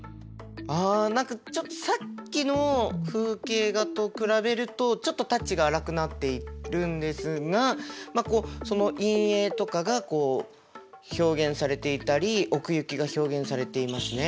ああ何かちょっとさっきの風景画と比べるとちょっとタッチが粗くなっているんですがその陰影とかがこう表現されていたり奥行きが表現されていますね。